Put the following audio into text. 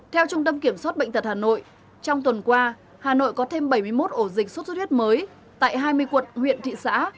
theo trung tâm kiểm soát bệnh tật hà nội trong tuần qua hà nội có thêm bảy mươi một ổ dịch sốt xuất huyết mới tại hai mươi quận huyện thị xã